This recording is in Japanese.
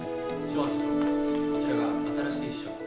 こちらが新しい秘書の。